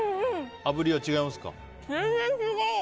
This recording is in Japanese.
あぶりは違いますか？